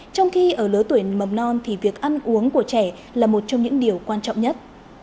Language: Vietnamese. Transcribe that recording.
trong khi ở lứa tuổi mầm non thì việc ăn uống của trẻ là một trong những điều quan trọng nhất